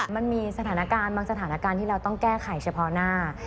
มันมีสถานการณ์บางสถานการณ์ที่เราต้องแก้ไขเฉพาะหน้า